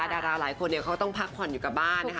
ดาราหลายคนเขาต้องพักผ่อนอยู่กับบ้านนะคะ